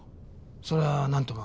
それはなんとも。